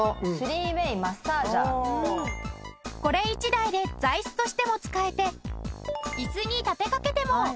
これ１台で座椅子としても使えて椅子に立てかけても。